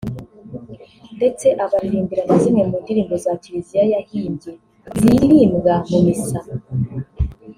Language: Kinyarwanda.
ndetse abaririmbira na zimwe mu ndirimbo za Kiriziya yahimbye ziririmbwa mu Missa